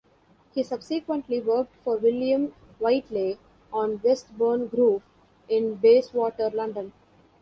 He subsequently worked for William Whiteley on Westbourne Grove in Bayswater, London.